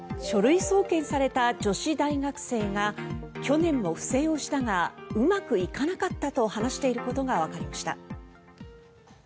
書類送検された女子大学生が去年も不正をしたがうまくいかなかったと話していることがわかりました。